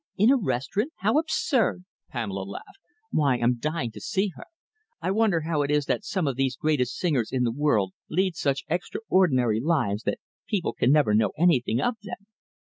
"In a restaurant, how absurd!" Pamela laughed. "Why, I'm dying to see her. I wonder how it is that some of these greatest singers in the world lead such extraordinary lives that people can never know anything of them."